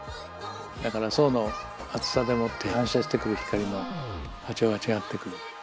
だから層の厚さでもって反射してくる光の波長が違ってくる。